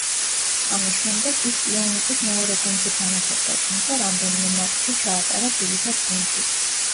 ამის შემდეგ ის პიუნიკის მეორე გუნდში თამაშობდა, თუმცა რამდენიმე მატჩი ჩაატარა ძირითად გუნდშიც.